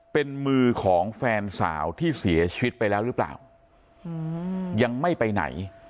เป็นมือของแฟนสาวที่เสียชีวิตไปแล้วหรือเปล่ายังไม่ไปไหน